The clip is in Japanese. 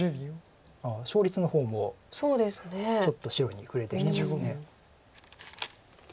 ああ勝率の方もちょっと白に振れてきてます。